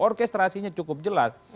orkestrasinya cukup jelas